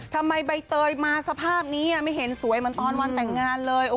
ทำไมใบเตยมาสภาพนี้ไม่เห็นสวยเหมือนตอนวันแต่งงานเลย